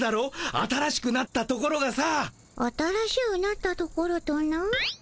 新しくなったところがさ。